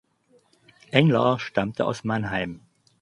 Engler stammte aus Mannheim.